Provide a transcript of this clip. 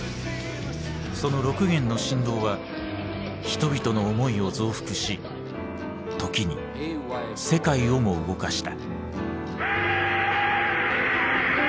その６弦の振動は人々の思いを増幅し時に世界をも動かした。